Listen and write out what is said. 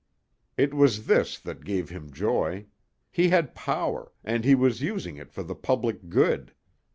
It was this that gave him joy. He had power, and he was using it for the public good.